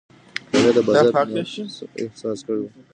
هغې د بازار نبض احساس کړی و.